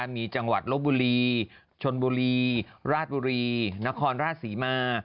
มีจังหวัดลบบุรีชนบุรีราชบุรีนครราชศรีมา